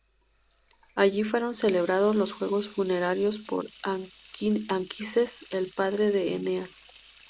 Allí fueron celebrados los juegos funerarios por Anquises, el padre de Eneas.